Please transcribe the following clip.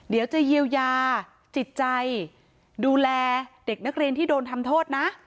เดี๋ยวจะเยียวยาจิตใจดูแลเด็กนักเรียนที่โดนทำโทษนะ